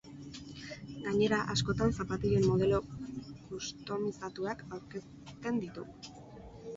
Gainera, askotan zapatilen modelo kustomizatuak aurkezten ditu.